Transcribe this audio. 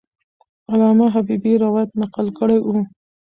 علامه حبیبي روایت نقل کړی وو.